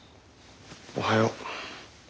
おはよう。